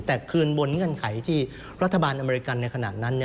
แต่คืนบนเงื่อนไขที่รัฐบาลอเมริกันในขณะนั้น